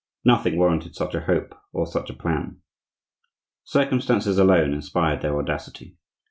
Nothing warranted such a hope or such a plan. Circumstances alone inspired their audacity.